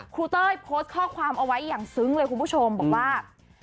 เต้ยโพสต์ข้อความเอาไว้อย่างซึ้งเลยคุณผู้ชมบอกว่า